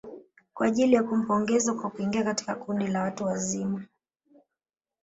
Kwa ajili ya kumpongeza kwa kuingia katika kundi la watu wazima